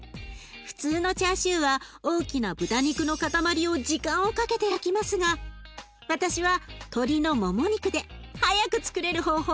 普通のチャーシューは大きな豚肉の塊を時間をかけて焼きますが私は鶏のもも肉で早くつくれる方法をお教えします。